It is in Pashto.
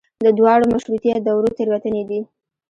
د دواړو مشروطیه دورو تېروتنې دي.